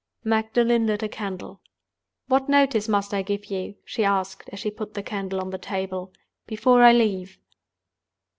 Magdalen lit a candle. "What notice must I give you," she asked, as she put the candle on the table, "before I leave?"